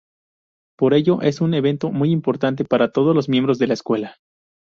Por ello, es un evento muy importante para todos los miembros de la escuela.